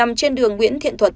nằm trên đường nguyễn thiện thuật